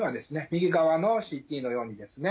右側のＣＴのようにですね